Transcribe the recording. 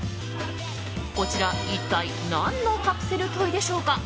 こちら、一体何のカプセルトイでしょうか？